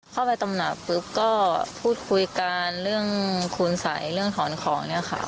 เข้าไปตำหนักปุ๊บก็พูดคุยกันเรื่องคุณสัยเรื่องถอนของเนี่ยค่ะ